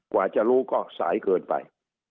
กว่าจะรู้ก็สายเกินไป